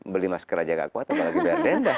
beli masker aja gak kuat apalagi bayar denda